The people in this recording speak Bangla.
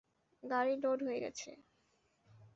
গাড়ি লোড হয়ে গেছে।